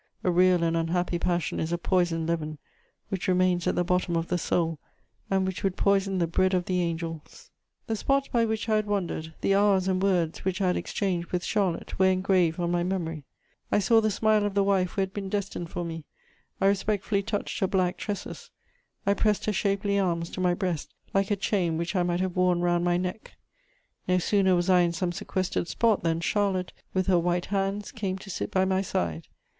A real and unhappy passion is a poisoned leaven which remains at the bottom of the soul, and which would poison the bread of the angels. The spots by which I had wandered, the hours and words which I had exchanged with Charlotte, were engraved on my memory: I saw the smile of the wife who had been destined for me; I respectfully touched her black tresses; I pressed her shapely arms to my breast, like a chain which I might have worn round my neck. No sooner was I in some sequestered spot than Charlotte, with her white hands, came to sit by my side.